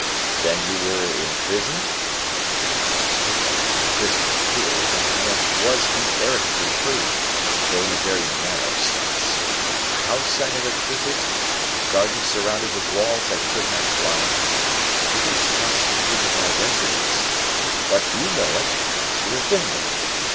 "Then you were in prison?" "If I am a prisoner here, then I was comparatively free, although in a very narrow sense a house I never quitted, a garden surrounded with walls I could not climb, these constituted my residence, but you know it, as you have been there.